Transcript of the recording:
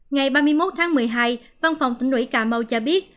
ngày ba mươi một tháng một mươi hai văn phòng tỉnh ủy cà mau cho biết